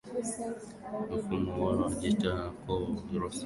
Kwa mfano Wajita wa koo za Rusori